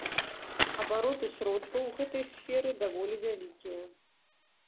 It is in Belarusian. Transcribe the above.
Абароты сродкаў у гэтай сферы даволі вялікія.